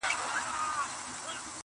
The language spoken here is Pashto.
هر څه لاپي چي یې کړي وې پښېمان سو!